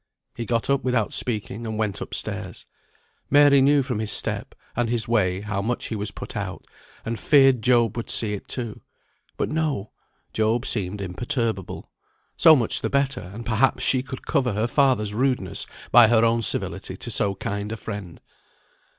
He got up without speaking, and went up stairs. Mary knew from his step, and his way, how much he was put out, and feared Job would see it, too. But no! Job seemed imperturbable. So much the better, and perhaps she could cover her father's rudeness by her own civility to so kind a friend.